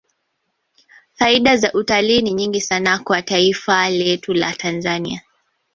faida za utalii ni nyingi sana kwa taifa letu la tanzania